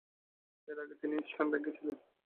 এর আগে তিনি ইস্টার্ন ব্যাংকে ছিলেন।